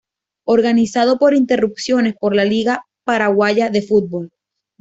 Organizado con interrupciones por la Liga Paraguaya de Fútbol.